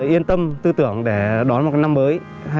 yên tâm tư tưởng để đón một năm mới